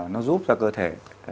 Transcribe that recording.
nó giúp cho cơ thể